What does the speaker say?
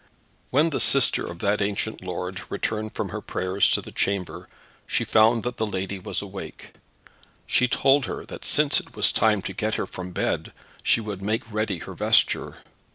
When the sister of that ancient lord returned from her prayers to the chamber, she found that the lady was awake. She told her that since it was time to get her from bed, she would make ready her vesture.